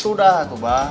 sudah tuh bah